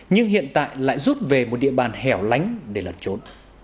nhưng hiện tại lại rút về một địa bàn hẻo lánh để lẩn trốn